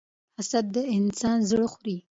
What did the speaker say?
حسد د انسان زړه خوري.